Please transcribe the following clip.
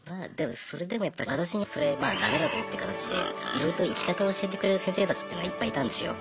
それでもやっぱり私にそれまあダメだぞって形でいろいろと生き方を教えてくれる先生たちっていうのはいっぱいいたんですよ。